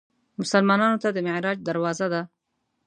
مسلمانانو ته د معراج دروازه ده.